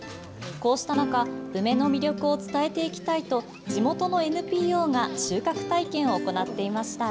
こうした中、梅の魅力を伝えていきたいと地元のＮＰＯが収穫体験を行っていました。